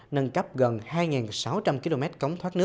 nâng cấp gần hai sáu trăm linh km cống thoát nước